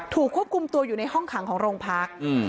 ควบคุมตัวอยู่ในห้องขังของโรงพัก